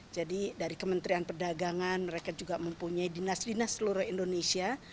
jadi dari kementerian perdagangan mereka juga mempunyai dinas dinas seluruh indonesia